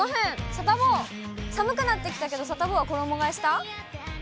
サタボー、寒くなってきたけど、サタボーは衣がえした？